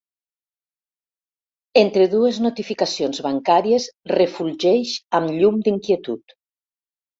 Entre dues notificacions bancàries refulgeix amb llum d'inquietud.